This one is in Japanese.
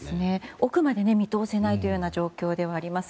奥まで見通せないという状況ではあります。